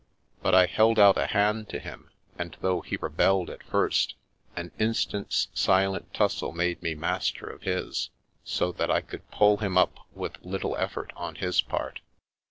But I held out a hand to him, and though he rebelled at first, an instant's silent tussle made me master of his, so that I could pull him up with little effort on his part.